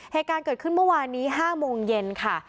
เหตุการณ์เกิดขึ้นเมื่อวานนี้๕โมงเย็นค่ะ